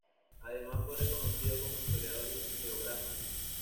Además fue reconocido como historiador y geógrafo.